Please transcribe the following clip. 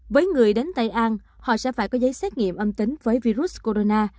với người đến tây an họ sẽ phải có giấy xét nghiệm âm tính với virus corona